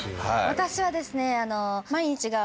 私はですね